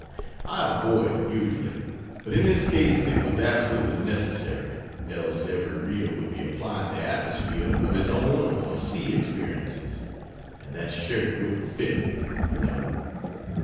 I avoid it, usually, but in this case it was absolutely necessary, else every reader would be applying the atmosphere of his own or sea experiences, and that shirt wouldn't fit, you know.